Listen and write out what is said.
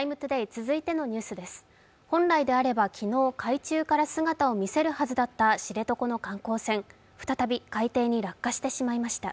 本来であれば昨日、海中から姿を見せるはずだった知床の観光船、再び海底に落下してしまいました。